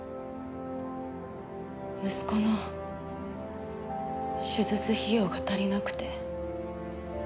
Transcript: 息子の手術費用が足りなくて。